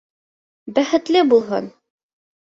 Бәхетле булһын!